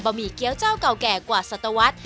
บะหมี่เกี๊ยวเจ้าเก่าแก่กว่าสัตวัชธิ์